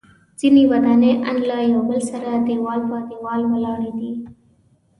ځینې ودانۍ ان له یو بل سره دیوال په دیوال ولاړې دي.